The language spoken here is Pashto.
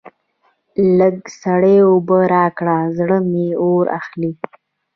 لږ سړې اوبه راکړئ؛ زړه مې اور اخلي.